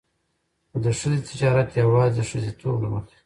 خو د ښځې تجارت يواځې د ښځېتوب له مخې.